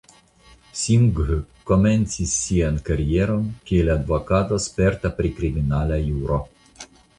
Singh komencis sian karieron kiel advokato sperta pri kriminala juro.